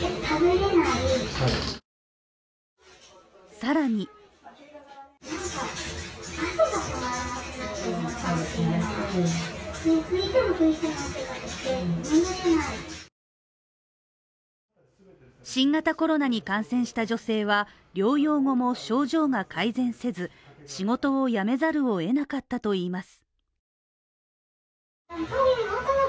更に新型コロナに感染した女性は療養後も症状が改善せず、仕事を辞めざるをえなかったといいます。